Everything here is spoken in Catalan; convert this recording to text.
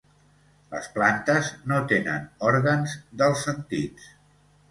Les plantes no tenen òrgans dels sentits.